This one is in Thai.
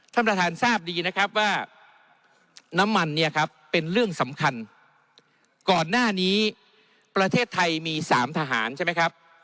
ท่านประธานทราบดีนะครับว่าน้ำมันเนี่ยครับเป็นเรื่องสำคัญก่อนหน้านี้ประเทศไทยมีสามทหารใช่ไหมครับ